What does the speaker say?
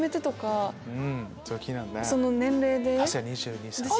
その年齢で。